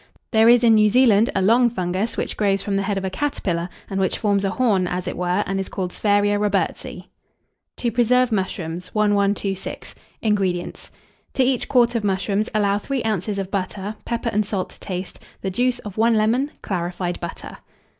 There is in New Zealand a long fungus, which grows from the head of a caterpillar, and which forms a horn, as it were, and is called Sphaeria Robertsii. TO PRESERVE MUSHROOMS. 1126. INGREDIENTS. To each quart of mushrooms, allow 3 oz. of butter, pepper and salt to taste, the juice of 1 lemon, clarified butter.